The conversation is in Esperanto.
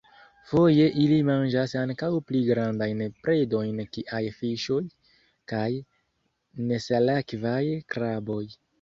Foje ili manĝas ankaŭ pli grandajn predojn kiaj fiŝoj kaj nesalakvaj kraboj.